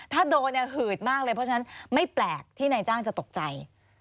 ถ้าโดนเนี่ยหืดมากเลยเพราะฉะนั้นไม่แปลกที่นายจ้างจะตกใจ